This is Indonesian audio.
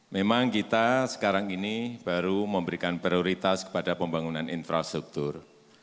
memang kita sekarang ini baru memberikan prioritas kepada pembangunan infrastruktur